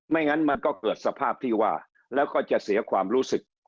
งั้นมันก็เกิดสภาพที่ว่าแล้วก็จะเสียความรู้สึก